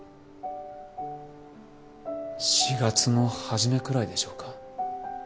４月の初めくらいでしょうか。